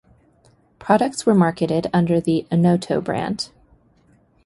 Products were marketed under the "Onoto" brand.